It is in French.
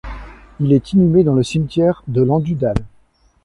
Il est inhumé dans le cimetière de Landudal.